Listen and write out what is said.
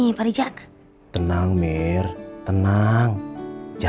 bukan kayak berantakan juga